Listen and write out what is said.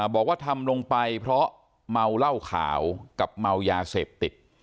บอกว่าทำลงไปเพราะเมาเหล้าขาวกับเมายาเสพติด